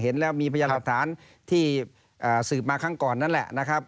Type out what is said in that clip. เห็นแล้วมีพยานหลักฐานที่สืบมาครั้งก่อนนั่นแหละนะครับ